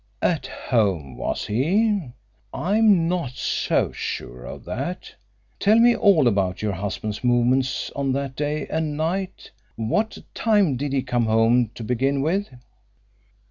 "At home, was he? I'm not so sure of that. Tell me all about your husband's movements on that day and night. What time did he come home, to begin with?"